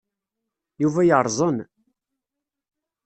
Yuba yerẓen.